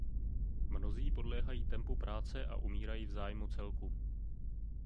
Mnozí podléhají tempu práce a umírají v zájmu celku.